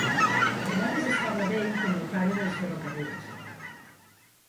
A vegades es parla d'ell com el "pare dels ferrocarrils".